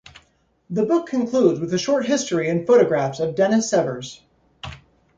The book concludes with a short history and photographs of Dennis Severs.